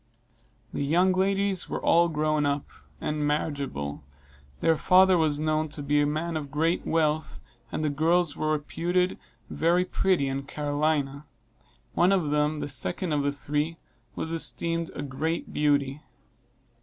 The young ladies were all grown up, and marriageable; their father was known to be a man of great wealth, and the girls were reputed very pretty in Carolina; one of them, the second of the three, was esteemed a great beauty.